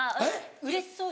うれしそうにね。